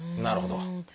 なるほど。